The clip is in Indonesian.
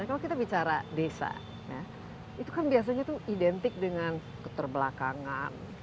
kalau kita bicara desa itu kan biasanya itu identik dengan keterbelakangan